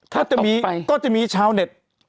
ถ้าจะมีก็จะมีชาวเน็ต